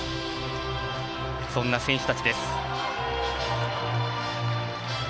そんな選手たちです。